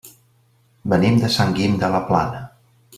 Venim de Sant Guim de la Plana.